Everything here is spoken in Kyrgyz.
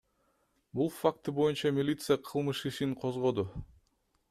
Бул факты боюнча милиция кылмыш ишин козгоду.